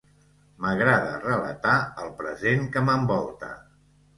M'agrada relatar el present que m'envolta